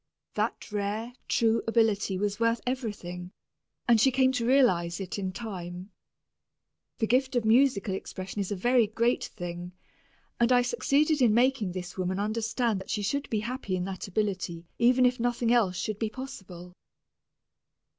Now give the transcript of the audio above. That rare, true ability was worth everything, and she came to realize it in time. The gift of musical expression is a very great thing, and I succeeded in making this woman understand that she should be happy in that ability even if nothing else should be possible.